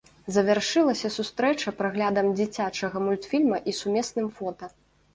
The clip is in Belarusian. Завяршылася сустрэча праглядам дзіцячага мультфільма і сумесным фота.